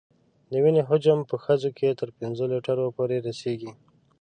د وینې حجم په ښځو کې تر پنځو لیترو پورې رسېږي.